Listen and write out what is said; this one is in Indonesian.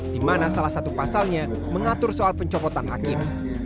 dimana salah satu pasalnya mengatur soal pencopotan hakim